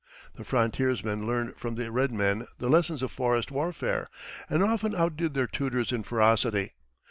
The frontiersmen learned from the red men the lessons of forest warfare, and often outdid their tutors in ferocity.